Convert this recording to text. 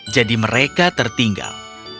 jadi mereka tertinggal